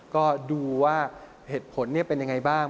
ก็ดูว่าเหตุผลเป็นยังไงบ้าง